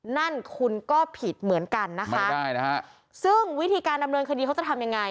นั่นคุณก็ผิดเหมือนกันนะคะซึ่งวิธีการดำเนินคดีเขาจะทำยังไง